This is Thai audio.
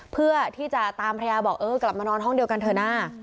เพื่อที่จะตามภรรยาบอกเออกลับมานอนห้องเดียวกันเถอะนะ